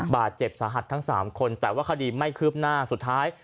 บาดเจ็บสาหัสทั้ง๓คนแต่ว่าคดีไม่คืบหน้าสุดท้าย